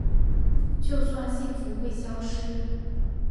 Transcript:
就算幸福会消失